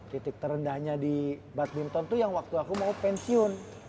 titik terendahnya di badminton itu yang waktu aku mau pensiun